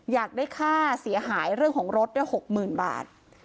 อยากได้ค่าเสียหายเรื่องของรถด้วย๖๐๐๐บาท